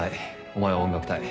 お前は音楽隊